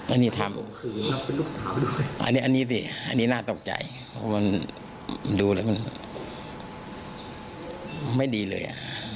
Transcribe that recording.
อันนี้สิอันนี้น่าตกใจดูแล้วมันไม่ดีเลย